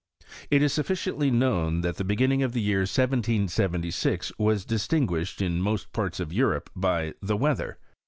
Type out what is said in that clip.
It is sufficiently known that the begin tting of the year 1776 was distinguished in most parts of Europe by the weather.